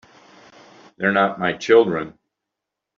They're not my children.